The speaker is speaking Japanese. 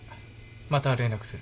また連絡する。